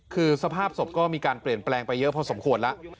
คือสภาพศพก็มีการเปลี่ยนแปลงไปเยอะพอสมควรแล้ว